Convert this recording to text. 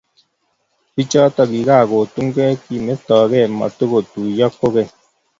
Biichoto kigagotunge kimetogee, matugotuiyo kogeny